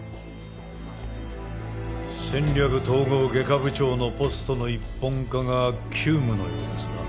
戦略統合外科部長のポストの一本化が急務のようですな。